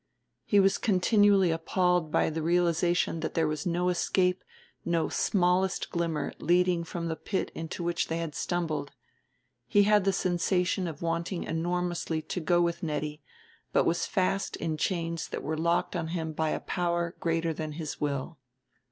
He was continually appalled by the realization that there was no escape, no smallest glimmer, leading from the pit into which they had stumbled. He had the sensation of wanting enormously to go with Nettie but was fast in chains that were locked on him by a power greater than his will.